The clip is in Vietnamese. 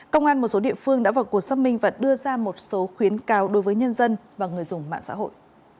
công an một số địa phương đã vào cuộc xâm minh và đưa ra một số khuyến cáo đối với nhân dân và người dùng mạng xã hội